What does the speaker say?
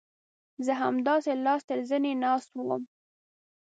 زه همداسې لاس تر زنې ناست وم.